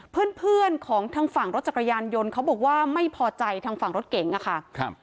เพื่อนเพื่อนของทางฝั่งรถจักรยานยนต์เขาบอกว่าไม่พอใจทางฝั่งรถเก๋งอะค่ะครับ